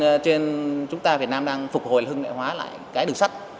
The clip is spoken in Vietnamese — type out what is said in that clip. tương tự trên chúng ta việt nam đang phục hồi hướng đại hóa lại cái đường sắt